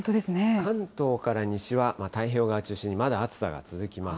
関東から西は、太平洋側を中心にまだ暑さが続きます。